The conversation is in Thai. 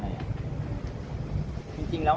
พี่พอแล้วพี่พอแล้ว